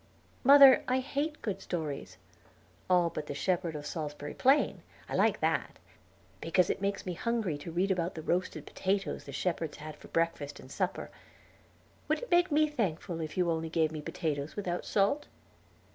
"Mother, I hate good stories, all but the Shepherd of Salisbury Plain; I like that, because it makes me hungry to read about the roasted potatoes the shepherd had for breakfast and supper. Would it make me thankful if you only gave me potatoes without salt?"